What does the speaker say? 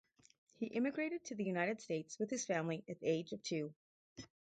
He emigrated to the United States with his family at the age of two.